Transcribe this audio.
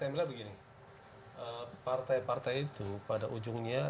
partai partai itu pada ujungnya